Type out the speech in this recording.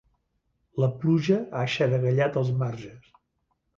La pluja ha aixaragallat els marges.